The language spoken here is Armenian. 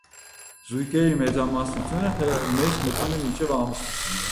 Զույգերի մեծամասնությունը սեռական հարաբերությունների մեջ է մտնում մինչև ամուսնությունը։